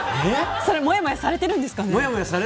それ、もやもやされてるんですかね？